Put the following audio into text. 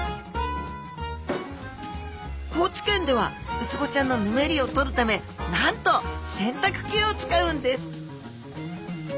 高知県ではウツボちゃんのヌメリを取るためなんと洗濯機を使うんです！